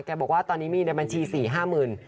แกบอกว่าตอนนี้มีในบัญชี๔๕หมื่น